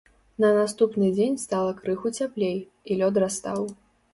На наступны дзень стала крыху цяплей, і лёд растаў.